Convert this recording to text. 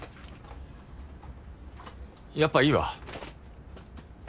やっぱいいわ。